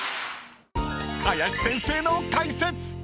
［林先生の解説！］